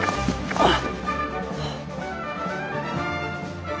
あっ。